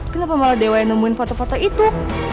kenapa malah dewa yang nemuin foto foto itu